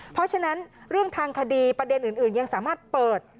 เพราะฉะนั้นเรื่องทางคดีประเด็นอื่นยังสามารถเปิด